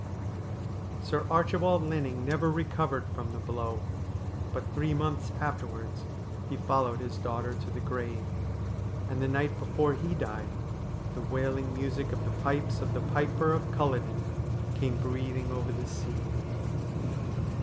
Sir Archibald Linning never recovered from the blow, but three months afterwards he followed his daughter to the grave, and the night before he died the wailing music of the pipes of the Piper of Culloden came breathing over the sea.